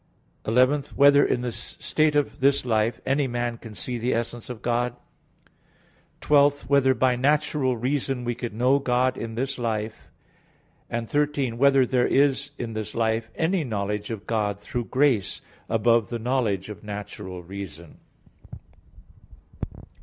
(11) Whether in the state of this life any man can see the essence of God? (12) Whether by natural reason we can know God in this life? (13) Whether there is in this life any knowledge of God through grace above the knowledge of natural reason?